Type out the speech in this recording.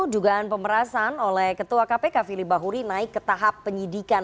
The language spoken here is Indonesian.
dugaan pemerasan oleh ketua kpk fili bahuri naik ke tahap penyidikan